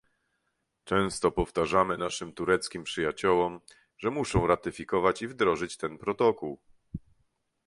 Często powtarzamy naszym tureckim przyjaciołom, że muszą ratyfikować i wdrożyć ten protokół